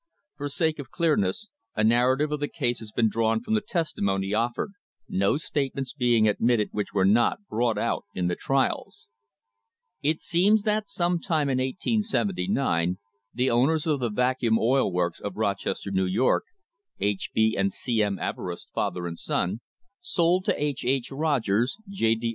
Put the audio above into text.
For sake of clearness, a narrative of the case has been drawn from the testimony of fered, no statements being admitted which were not brought out in the trials. It seems that some time in 1879 the owners of the Vacuum THE BUFFALO CASE Oil Works, of Rochester, New York H. B. and C. M. Everest, father and son sold to H. H. Rogers, J. D.